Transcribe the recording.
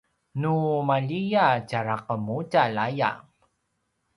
nu maljiya tjara qemudjalj aya